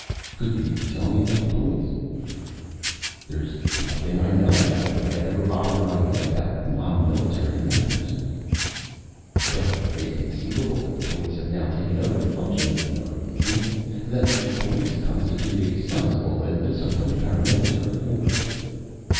"Could you tell me about the police?" "There is nothing I know about them. I have never bothered my head about non military matters." "But it is conceivable that the police have now taken over the functions of the army, isn't it? That the police constitute a sizable and disciplined paramilitary force?"